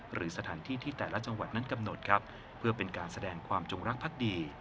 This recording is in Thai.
หรือสถานที่ที่แต่ละจังหวัดนั้นกำหนดครับเพื่อเป็นการแสดงความจงรักภักดี